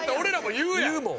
言うもん。